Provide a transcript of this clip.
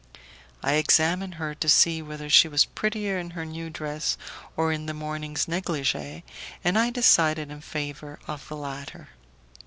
I examined her to see whether she was prettier in her new dress or in the morning's negligee, and I decided in favour of the latter.